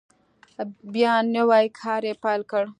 بیا نوی کار یې پیل کړ.